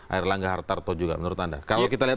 air langga hartarto juga menurut anda kalau kita lihat